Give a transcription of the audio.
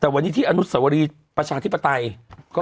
แต่วันนี้ที่ยาชีพศาลดีประชาธิปไตอ่ะ